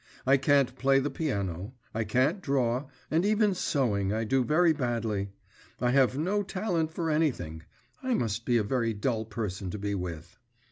I can't play the piano, I can't draw, and even sewing I do very badly. I have no talent for anything; I must be a very dull person to be with.